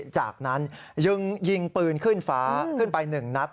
จากนั้นจึงยิงปืนขึ้นฟ้าขึ้นไป๑นัด